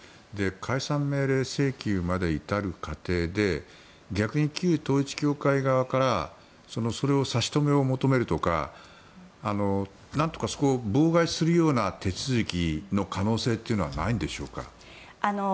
解散命令請求まで至る過程で逆に旧統一教会側から差し止めを求めるとか何とかそこを妨害するような手続きの可能性というのはないんでしょうか。